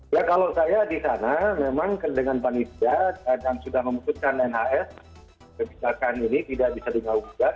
ya kalau saya di sana memang dengan panitia dan sudah memutuskan nhs kebijakan ini tidak bisa digaungkan